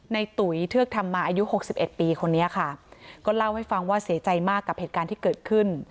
ตุ๋ยเทือกธรรมาอายุหกสิบเอ็ดปีคนนี้ค่ะก็เล่าให้ฟังว่าเสียใจมากกับเหตุการณ์ที่เกิดขึ้น